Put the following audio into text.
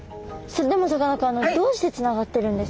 それでもさかなクンどうしてつながってるんですか？